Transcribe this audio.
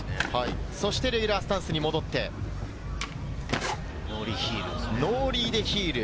そしてレギュラースタンスに戻って、ノーリーでヒール。